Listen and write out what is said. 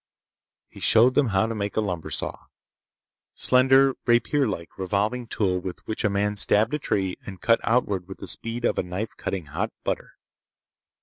He showed them how to make a lumber saw—slender, rapierlike revolving tool with which a man stabbed a tree and cut outward with the speed of a knife cutting hot butter.